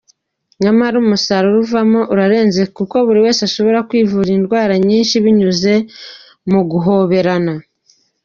Nyamara umusaruro uvamo urarenze, kuko buri wese ashobora kwivura indwara nyinshi binyuze mu guhoberana.